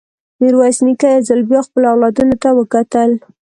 ميرويس نيکه يو ځل بيا خپلو اولادونو ته وکتل.